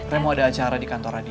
rey mau ada acara di kantoran dia